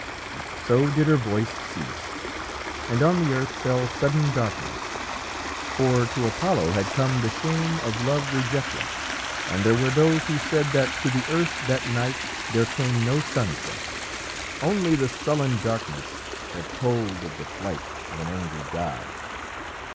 So did her voice cease, and on the earth fell sudden darkness. For to Apollo had come the shame of love rejected, and there were those who said that to the earth that night there came no sunset, only the sullen darkness that told of the flight of an angry god.